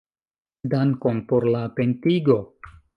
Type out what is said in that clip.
Dankon por la atentigo.